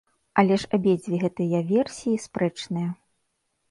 Але ж абедзве гэтыя версіі спрэчныя.